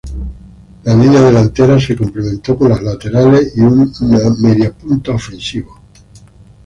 La línea delantera se complementó con los laterales y un mediapunta ofensivo.